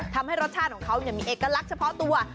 ทำให้รสชาติของเขามีเอกลักษณ์เฉพาะตัว